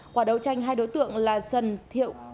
quả đầu tranh hai đối tượng là sân thiệu